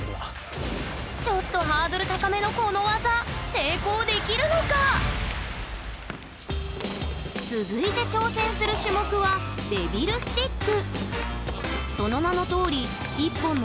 ちょっとハードル高めのこの技続いて挑戦する種目は「デビルスティック」。